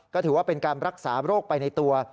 ก็ถือว่าเป็นการรักษาโรคไปในตัว